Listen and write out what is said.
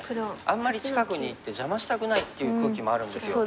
あんまり近くにいって邪魔したくないっていう空気もあるんですよ。